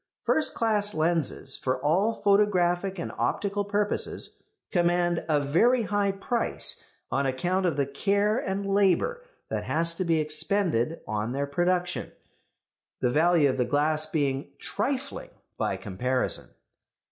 First class lenses for all photographic and optical purposes command a very high price on account of the care and labour that has to be expended on their production; the value of the glass being trifling by comparison.